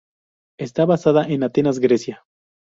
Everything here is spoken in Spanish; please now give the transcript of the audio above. Está basada en Atenas, Grecia.